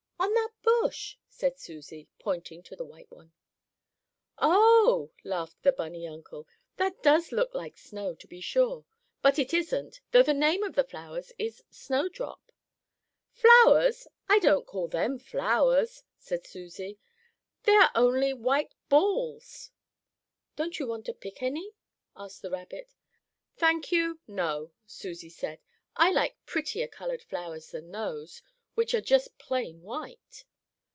"On that bush," said Susie, pointing to the white one. "Oh!" laughed the bunny uncle. "That does look like snow, to be sure. But it isn't, though the name of the flowers is snowdrop." "Flowers! I don't call them flowers!" said Susie. "They are only white balls." "Don't you want to pick any?" asked the rabbit. "Thank you, no," Susie said. "I like prettier colored flowers than those, which are just plain white."